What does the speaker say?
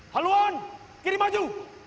haluan kiri maju